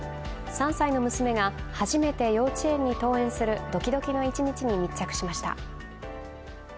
３歳の娘が初めて幼稚園に登園するドキドキの一日に密着しました。